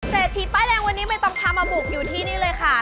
เศรษฐีป้ายแดงวันนี้ไม่ต้องพามาบุกอยู่ที่นี่เลยค่ะ